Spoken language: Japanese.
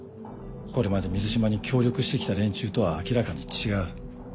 これまで水島に協力してきた連中とは明らかに違う。